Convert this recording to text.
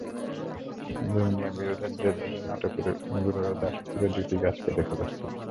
জমি নিয়ে বিরোধের জের ধরে নাটোরের গুরুদাসপুরে দুটি গাছ কেটে ফেলেছে প্রতিপক্ষরা।